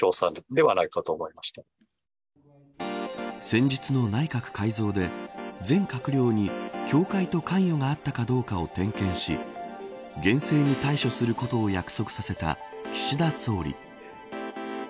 先日の内閣改造で全閣僚に教会と関与があったかどうかを点検し厳正に対処することを約束させた岸田総理。